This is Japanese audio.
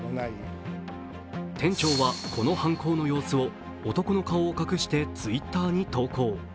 店長はこの犯行の様子を、男の顔を隠してＴｗｉｔｔｅｒに投稿。